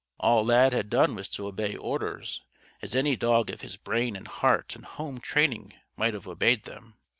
All Lad had done was to obey orders, as any dog of his brain and heart and home training might have obeyed them.